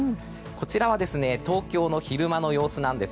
こちらは東京の昼間の様子。